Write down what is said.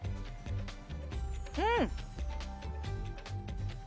うん！